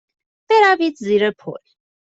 بروید زیر پل.